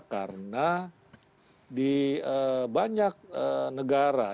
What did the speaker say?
karena di banyak negara